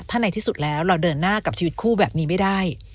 ถ้าในที่สุดแล้วเราเดินหน้ากับชีวิตคู่แบบนี้ไม่ได้